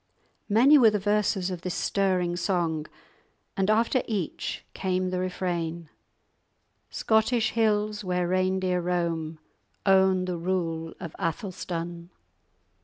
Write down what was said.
Many were the verses of this stirring song; and after each came the refrain:— "Scottish hills where reindeer roam Own the rule of Athelstan!"